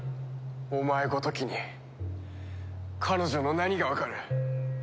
お前ごときに彼女の何がわかる！